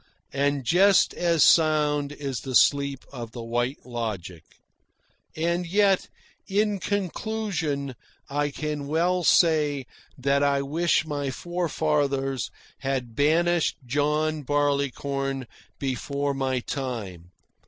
And just as sound is the sleep of the White Logic. And yet, in conclusion, I can well say that I wish my forefathers had banished John Barleycorn before my time.